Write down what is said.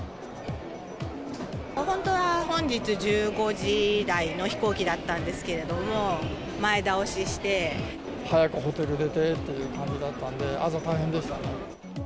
本当は本日１５時台の飛行機だったんですけれども、前倒しして。早くホテル出てっていう感じだったんで、朝、大変でしたね。